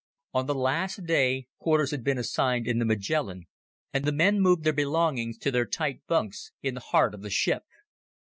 On the last day, quarters had been assigned in the Magellan, and the men moved their belongings to their tight bunks in the heart of the ship.